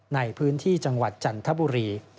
ในพื้นที่จังหวัดจันทบุรี